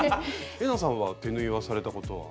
玲奈さんは手縫いはされたことは？